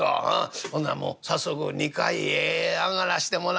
ほなもう早速２階へ上がらしてもらおか」。